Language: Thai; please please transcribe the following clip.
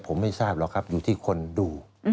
ผมไม่ทราบหรอกครับอยู่ที่คนดู